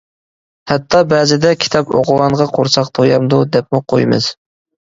ھەتتا بەزىدە «كىتاب ئوقۇغانغا قورساق تۇيامدۇ؟ » دەپمۇ قويمىز.